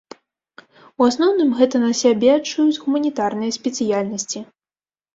У асноўным гэта на сабе адчуюць гуманітарныя спецыяльнасці.